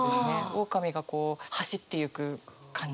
オオカミがこう走っていく感じ。